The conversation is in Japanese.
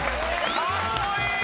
かっこいい！